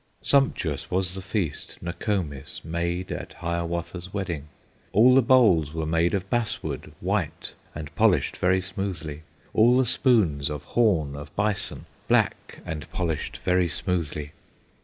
Sumptuous was the feast Nokomis Made at Hiawatha's wedding; All the bowls were made of bass wood, White and polished very smoothly, All the spoons of horn of bison, Black and polished very smoothly.